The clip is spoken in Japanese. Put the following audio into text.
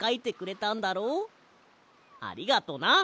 ありがとな。